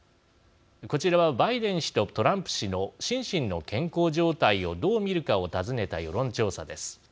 こちらはバイデン氏とトランプ氏の心身の健康状態をどう見るかを尋ねた世論調査です。